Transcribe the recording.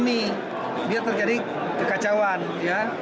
itu ekonomi dia terjadi kekacauan ya